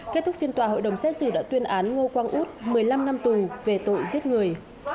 kết thúc phiên tòa hội đồng xét xử đã tuyên án ngô quang út một mươi năm năm tù về tội giết người